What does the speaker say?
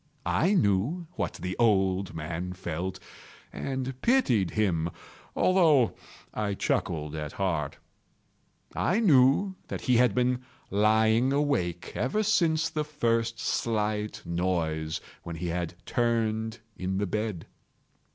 I knew what the old man felt, and pitied him, although I chuckled at heart. I knew that he had been lying awake ever since the first slight noise, when he had turned in the bed.